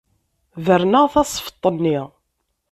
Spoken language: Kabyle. Berneɣ tasfeḍt-nni.